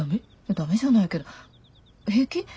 ダメじゃないけど平気？